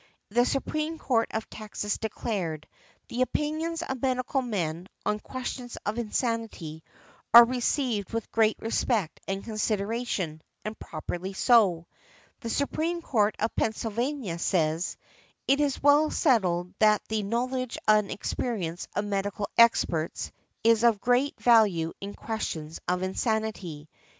The Supreme Court of Texas declared, "The opinions of medical men (on questions of insanity) are received with great respect and consideration, and properly so." The Supreme Court of Pennsylvania says, "It is well settled that the knowledge and experience of medical experts is of great value in questions of insanity."